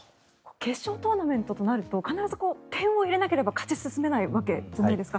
決勝トーナメントとなると必ず点を入れなければ勝ち進めないわけじゃないですか。